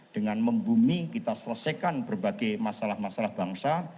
dengan membumi kita selesaikan berbagai masalah masalah bangsa